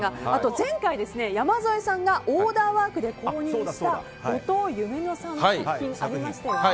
前回、山添さんがオーダーワークで購入した後藤夢乃さんの作品ありましたよね。